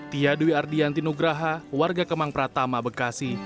tia dwi ardianti nugraha warga kemang pratama bekasi